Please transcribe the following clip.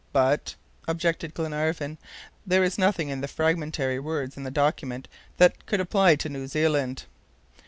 "But," objected Glenarvan, "there is nothing in the fragmentary words in the document that could apply to New Zealand."